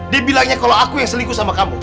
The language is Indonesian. dia bilangnya kalau aku yang selingkuh sama kamu